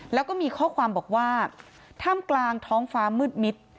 แล้วก็มีข้อความบอกว่าท่ามกลางท้องฟ้ามืดมิด